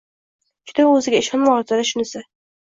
Juda o`ziga ishonvordi-da shunisi